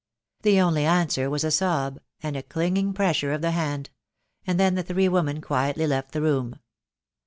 The only answer was a sob, and a clinging pressure of the hand; and then the three women quietly left the room.